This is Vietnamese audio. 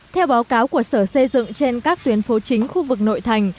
theo báo cáo của sở xây dựng trên các tuyến phố chính khu vực nội thành